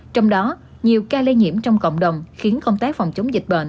trong đó nhiều ca lây nhiễm trong cộng đồng khiến công tác phòng chống dịch bệnh